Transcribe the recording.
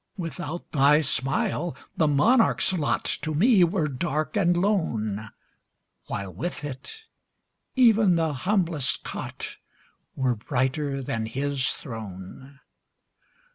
Without thy smile, the monarch's lot To me were dark and lone, While, with it, even the humblest cot Were brighter than his throne.